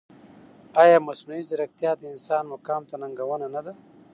ایا مصنوعي ځیرکتیا د انسان مقام ته ننګونه نه ده؟